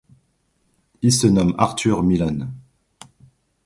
Il se nomme Arthur Millon.